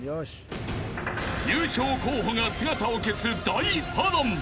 ［優勝候補が姿を消す大波乱］